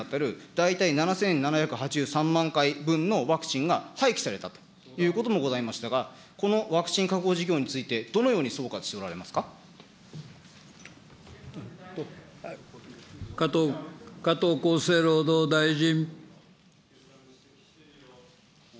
大体７７８３万回分のワクチンが廃棄されたということもございましたが、このワクチン確保事業について、加藤厚生労働大臣。